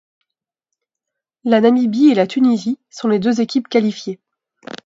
La Namibie et la Tunisie sont les deux équipes qualifiées.